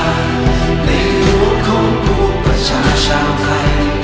ในรวมของภูมิประชาชาวไทย